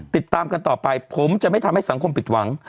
ติดตามกันต่อไปผมจะไม่ทำให้สังคมผิดหวัง